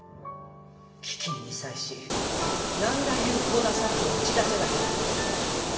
飢きんに際し何ら有効な策を打ち出せなかったこと。